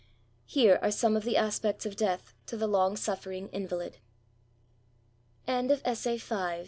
Here are some of the aspects of Death to the long suffering Invalid* 126 TEMPER, " We